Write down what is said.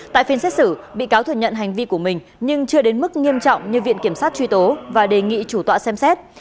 tại phiên xét xử bị cáo thừa nhận hành vi của mình nhưng chưa đến mức nghiêm trọng như viện kiểm sát truy tố và đề nghị chủ tọa xem xét